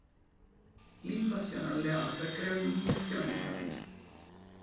L'invasione alleata creò indignazione in Francia.